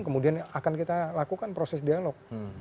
kemudian akan kita lakukan proses dialog